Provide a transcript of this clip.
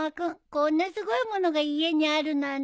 こんなすごい物が家にあるなんて。